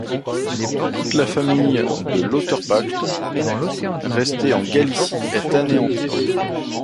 Toute la famille de Lauterpacht restée en Galicie est anéantie.